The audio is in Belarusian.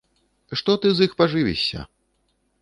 Што ты з іх пажывішся?